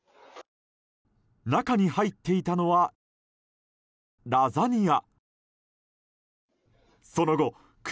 中に入っていたのはラザニア。